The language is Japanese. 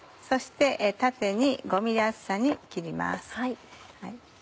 そして縦に５ｍｍ厚さに切ります。